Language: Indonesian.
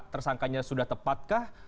tersangkanya sudah tepat kah